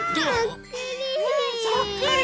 そっくり！